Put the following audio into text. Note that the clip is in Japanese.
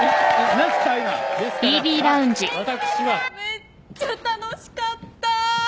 めっちゃ楽しかった！